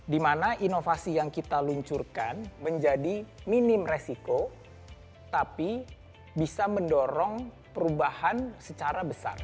dimana inovasi yang kita luncurkan menjadi minim resiko tapi bisa mendorong perubahan secara besar